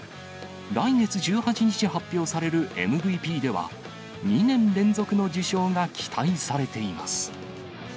来月１８日発表されるＭＶＰでは、２年連続の受賞が期待されています。